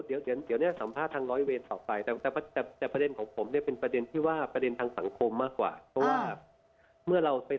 คือเพิ่งส่งอายการป่ะคะหรือส่งนานแล้วเหมือนกันคะ